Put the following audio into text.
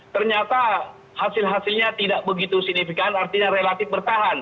ternyata hasil hasilnya tidak begitu signifikan artinya relatif bertahan